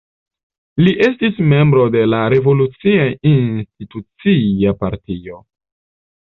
Li estis membro de la Revolucia Institucia Partio.